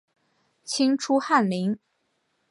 清初翰林。